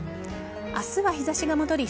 明日は日差しが戻り